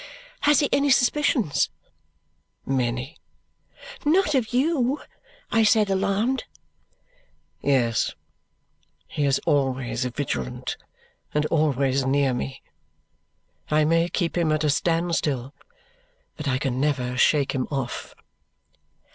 "Has he any suspicions?" "Many." "Not of you?" I said alarmed. "Yes! He is always vigilant and always near me. I may keep him at a standstill, but I can never shake him off."